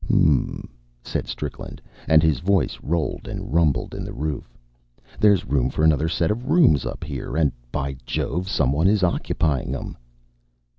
"H'm," said Strickland; and his voice rolled and rumbled in the roof. "There's room for another set of rooms up here, and, by Jove! some one is occupying em."